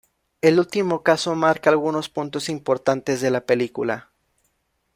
El último caso marca algunos puntos importantes de la película.